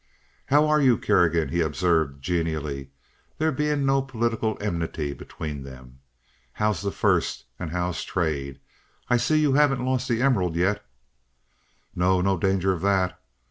"How are you, Kerrigan?" he observed, genially, there being no political enmity between them. "How's the first, and how's trade? I see you haven't lost the emerald yet?" "No. No danger of that.